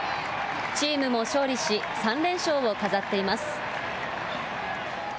チームも勝利し、３連勝を飾っています。